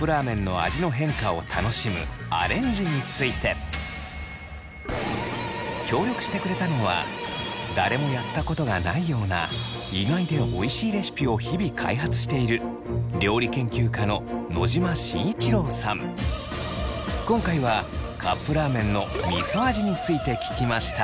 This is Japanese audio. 最後のコーナーは協力してくれたのは誰もやったことがないような意外でおいしいレシピを日々開発している今回はカップラーメンのみそ味について聞きました。